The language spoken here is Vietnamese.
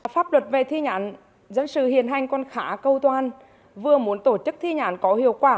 pháp luật về thi hành án dân sự hiện hành còn khá câu toan vừa muốn tổ chức thi hành án có hiệu quả